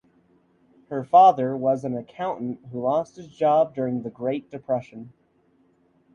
Her father was an accountant who lost his job during the Great Depression.